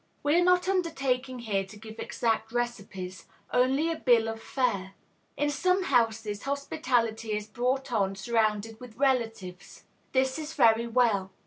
We are not undertaking here to give exact recipes, only a bill of fare. In some houses Hospitality is brought on surrounded with Relatives. This is very well.